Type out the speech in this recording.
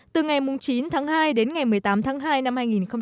từ ngày chín tháng hai đến ngày một mươi tám tháng hai năm hai nghìn một mươi bảy